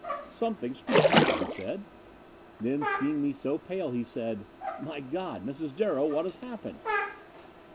"'Something struck me,' he said. Then, seeing me so pale, he said, 'My God! Mrs. Darrow, what has happened?'